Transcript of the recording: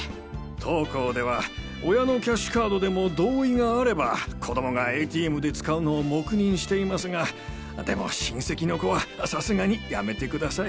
当行では親のキャッシュカードでも同意があれば子供がＡＴＭで使うのを黙認していますがでも親戚の子はさすがにやめてください。